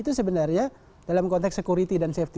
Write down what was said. itu sebenarnya dalam konteks security dan safety